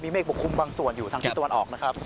เมฆปกคลุมบางส่วนอยู่ทางทิศตะวันออกนะครับ